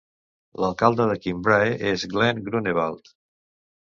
L'alcalde de Kinbrae és Glen Grunewald.